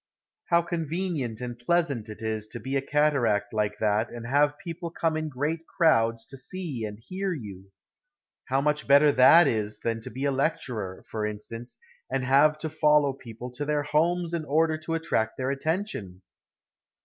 How convenient and pleasant it is to be a cataract like that and have people come in great crowds to see and hear you! How much better that is than to be a lecturer, for instance, and have to follow people to their homes in order to attract their attention!